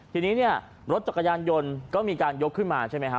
ทีนี้เนี่ยรถจักรยานยนต์ก็มีการยกขึ้นมาใช่ไหมฮะ